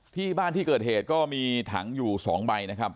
ที่บ้านที่เกิดเหตุก็มีถังอยู่๒ใบนะครับ